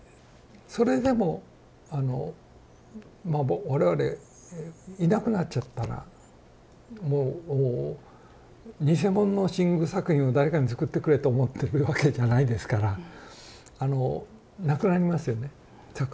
それでも我々いなくなっちゃったらもう偽物の新宮作品を誰かにつくってくれと思ってるわけじゃないですからあのなくなりますよね作品は多分。